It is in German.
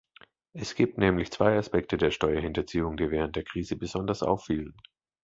Es gibt nämlich zwei Aspekte der Steuerhinterziehung, die während der Krise besonders auffielen.